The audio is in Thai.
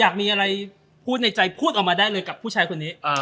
อยากมีอะไรพูดในใจพูดออกมาได้เลยกับผู้ชายคนนี้